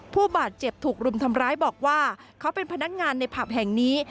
ผู้บาดเจ็บถูกรุมทำร้ายบอกว่าเขาเป็นพนักงานในผับแห่งนี้